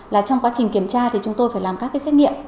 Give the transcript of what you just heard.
là trong quá trình kiểm tra thì chúng tôi phải làm các cái xét nghiệm